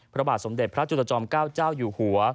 พระบาทสมเด็จพระจุลจอมเก้าเจ้าอยู่หัว